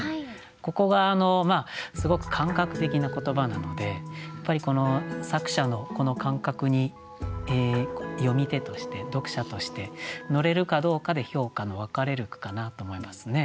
ここがすごく感覚的な言葉なので作者のこの感覚に読み手として読者として乗れるかどうかで評価の分かれる句かなと思いますね。